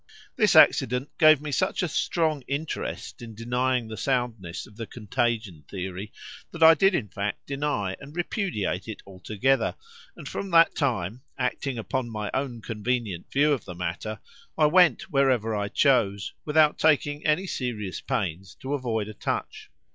This accident gave me such a strong interest in denying the soundness of the contagion theory, that I did in fact deny and repudiate it altogether; and from that time, acting upon my own convenient view of the matter, I went wherever I chose, without taking any serious pains to avoid a touch.